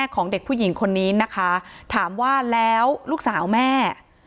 ของเด็กผู้หญิงคนนี้นะคะถามว่าแล้วลูกสาวแม่